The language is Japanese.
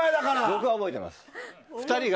僕は覚えてますよ。